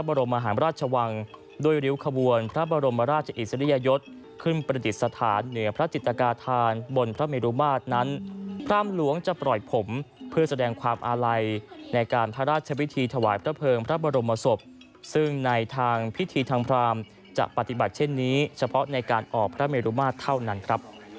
สมพระเกียรตามโบราณราชประเพณีทุกประการ